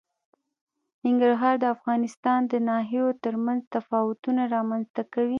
ننګرهار د افغانستان د ناحیو ترمنځ تفاوتونه رامنځ ته کوي.